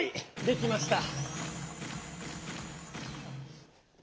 できました。